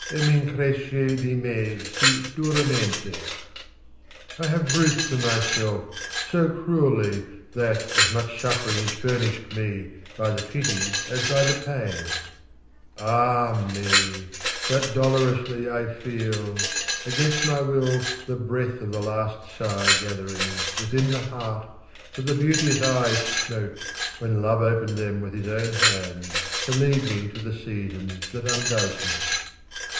] E' vi' incresce di vie si durarnente. I I HAVE ruth for myself so cruelly that as much suffer ing is furnished me by the pity as by the pain : Ah me ! that dolorously I feel, against my will, the breath of the last sigh gathering Within the heart that the beauteous eyes smote When love opened them with his own hands to lead me to the season that undoes me.